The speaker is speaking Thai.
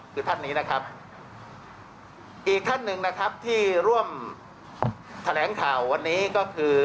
คือท่านนี้นะครับอีกท่านหนึ่งนะครับที่ร่วมแถลงข่าววันนี้ก็คือ